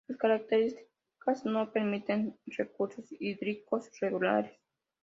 Sus características no permiten recursos hídricos regulares.